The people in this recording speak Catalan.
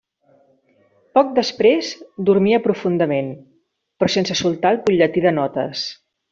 Poc després dormia profundament, però sense soltar el butlletí de notes.